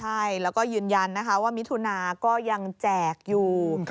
ใช่แล้วก็ยืนยันนะคะว่ามิถุนาก็ยังแจกอยู่